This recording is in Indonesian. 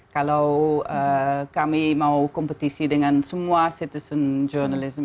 kalau kami mau kompetisi dengan semua citizen journalism